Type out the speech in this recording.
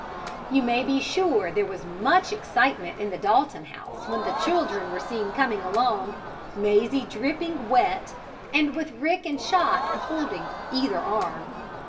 You may be sure there was much excitement in the Dalton house when the children were seen coming along, Mazie dripping wet and with Rick and Chot holding either arm.